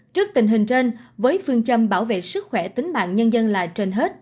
trước tình hình trên với phương châm bảo vệ sức khỏe tính mạng nhân dân là trên hết